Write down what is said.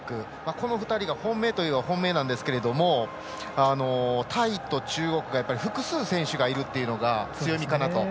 この２人が本命といえば本命なんですがタイと中国が複数選手がいるというのが強みかなと。